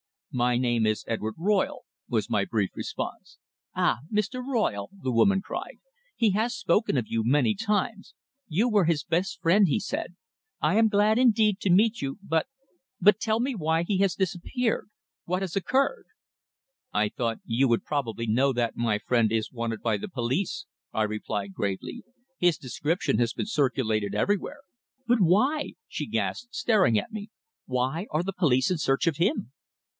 "My name is Edward Royle," was my brief response. "Ah! Mr. Royle," the woman cried, "he has spoken of you many times. You were his best friend, he said. I am glad, indeed, to meet you, but but tell me why he has disappeared what has occurred?" "I thought you would probably know that my friend is wanted by the police," I replied gravely. "His description has been circulated everywhere." "But why?" she gasped, staring at me. "Why are the police in search of him?"